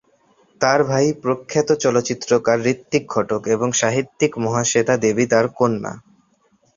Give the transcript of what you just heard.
তার ভাই প্রখ্যাত চলচ্চিত্রকার ঋত্বিক ঘটক এবং সাহিত্যিক মহাশ্বেতা দেবী তার কন্যা।